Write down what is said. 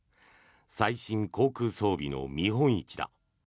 最新航空装備の見本市だ。